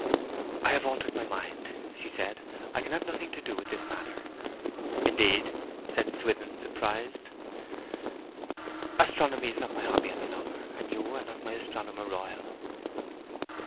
'I have altered my mind,' she said. 'I can have nothing to do with this matter.' 'Indeed?' said Swithin, surprised. 'Astronomy is not my hobby any longer. And you are not my Astronomer Royal.'